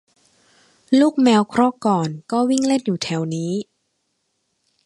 ลูกแมวครอกก่อนก็วิ่งเล่นอยู่แถวนี้